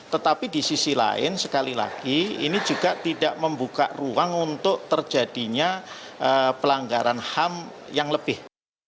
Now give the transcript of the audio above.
tetapi di sisi lain sekali lagi ini juga tidak membuka ruang untuk terjadinya pelanggaran ham yang lebih